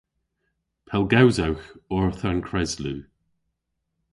Pellgewsewgh orth an kreslu!